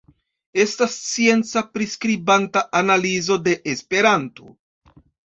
Estas scienca, priskribanta analizo de Esperanto.